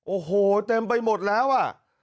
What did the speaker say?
โอ้โหเต็มไปหมดแล้วอ่ะ